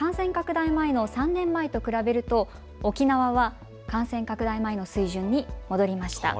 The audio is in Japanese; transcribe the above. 感染拡大前の３年前と比べると沖縄は感染拡大前の水準に戻りました。